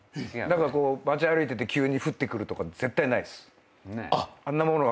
街歩いてて急に降ってくるとか絶対ないっす。